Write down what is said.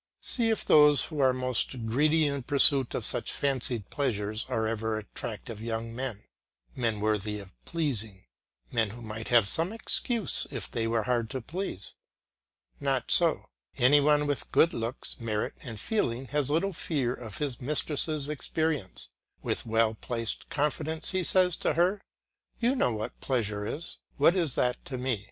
See if those who are most greedy in pursuit of such fancied pleasures are ever attractive young men men worthy of pleasing, men who might have some excuse if they were hard to please. Not so; any one with good looks, merit, and feeling has little fear of his mistress' experience; with well placed confidence he says to her, "You know what pleasure is, what is that to me?